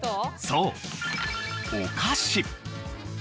そうお菓子。